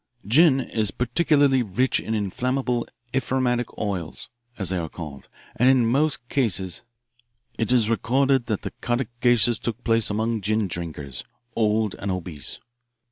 Gin is particularly rich in inflammable, empyreumatic oils, as they are called, and in most cases it is recorded that the catacausis took place among gin drinkers, old and obese.